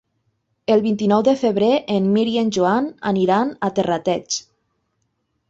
El vint-i-nou de febrer en Mirt i en Joan aniran a Terrateig.